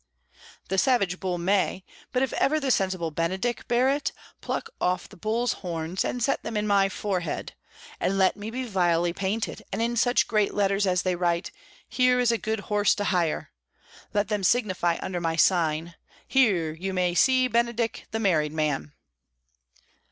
"The savage bull may, but if ever the sensible Benedick bear it, pluck off the bull's horns, and set them in my forehead; and let me be vilely painted, and in such great letters as they write 'Here is good horse to hire,' let them signify under my sign, 'Here you may see Benedick the married man!